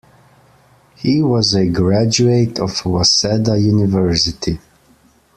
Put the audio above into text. He was a graduate of Waseda University.